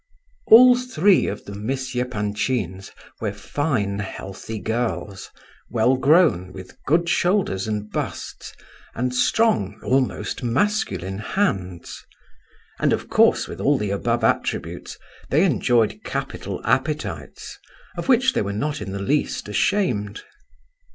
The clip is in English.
IV. All three of the Miss Epanchins were fine, healthy girls, well grown, with good shoulders and busts, and strong—almost masculine—hands; and, of course, with all the above attributes, they enjoyed capital appetites, of which they were not in the least ashamed.